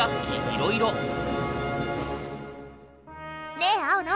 ねえ青野。